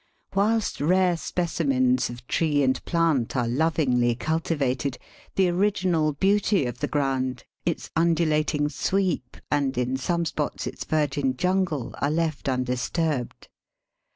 Whilst rare specimens of tree and plant are lovingly cultivated, the original beauty of the ground, its undulating sweep, and in some spots its virgin jungle are left undisturbed.